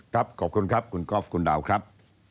ขอบคุณครับคุณกอล์ฟคุณดาวครับ